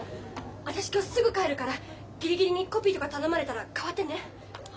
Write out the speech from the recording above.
私今日すぐ帰るからギリギリにコピーとか頼まれたら代わってね。